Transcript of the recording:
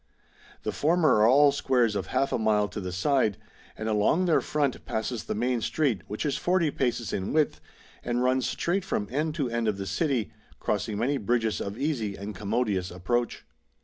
The former are all squares of half a mile to the side, and along their front passes the main street, which is 40 paces in width, and runs straight from end to end of the city, crossing many bridges of easy and commodious approach.